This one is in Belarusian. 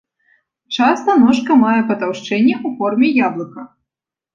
Часта ножка мае патаўшчэнне ў форме яблыка.